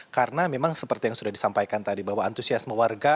karena memang seperti yang sudah disampaikan tadi bahwa antusiasme warga